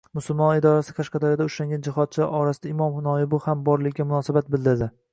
Musulmonlar idorasi Qashqadaryoda ushlangan Jihodchilar orasida imom noibi ham borligiga munosabat bildirdi